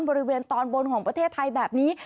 บริเวณตอนบนของประเทศไทยแบบนี้